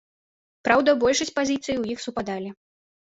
Праўда, большасць пазіцый у іх супадалі.